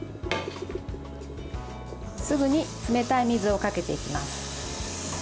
すぐに冷たい水をかけていきます。